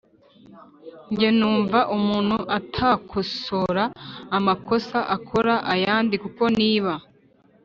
Nge numva umuntu atakosora amakosa akora ayandi. Kuko niba